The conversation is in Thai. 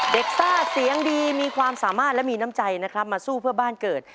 ซ่าเสียงดีมีความสามารถและมีน้ำใจนะครับมาสู้เพื่อบ้านเกิด